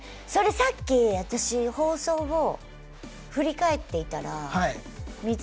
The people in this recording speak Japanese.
さっき私放送を振り返っていたら見つけたんです。